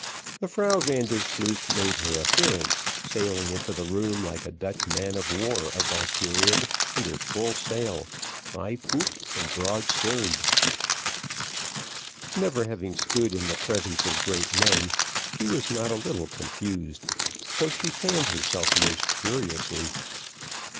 The Frau Vandersloosh made her appearance, sailing in the room like a Dutch man of war of that period, under full sail, high pooped and broad sterned. Never having stood in the presence of great men, she was not a little confused, so she fanned herself most furiously.